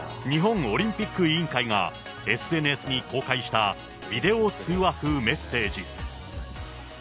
日本オリンピック委員会がＳＮＳに公開したビデオ通話風メッセージ。